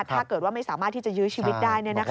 ถ้าเกิดว่าไม่สามารถที่จะยื้อชีวิตได้